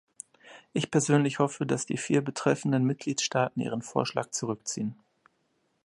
Ich persönlich hoffe, dass die vier betreffenden Mitgliedstaaten ihren Vorschlag zurückziehen.